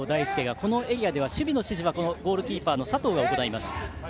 このエリアでは守備の指示はゴールキーパーの佐藤が行います。